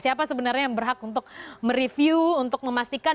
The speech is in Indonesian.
siapa sebenarnya yang berhak untuk mereview untuk memastikan